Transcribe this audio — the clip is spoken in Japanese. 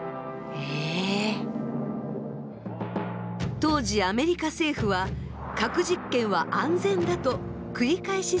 当時アメリカ政府は「核実験は安全だ」と繰り返し説明していたのです。